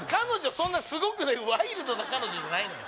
そんなにすごくないワイルドな彼女じゃないのよ